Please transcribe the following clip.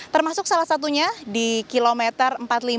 termasuk salah satunya di kilometer empat puluh lima